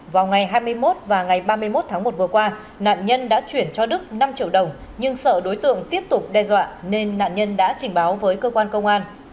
vào ngày hai mươi một và ngày ba mươi một tháng một vừa qua nạn nhân đã chuyển cho đức năm triệu đồng nhưng sợ đối tượng tiếp tục đe dọa nên nạn nhân đã trình báo với cơ quan công an